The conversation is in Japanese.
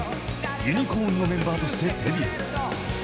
ユニコーンのメンバーとしてデビュー］